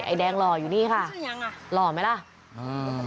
ไอแดงหล่ออยู่นี่ค่ะหล่อไหมล่ะอ่า